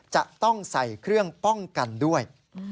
จะต้องใส่เครื่องป้องกันด้วย